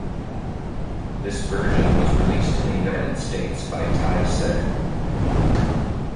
This version was released in the United States by Tai Seng.